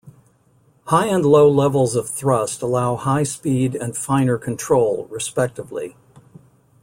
High and low levels of thrust allow high speed and finer control, respectively.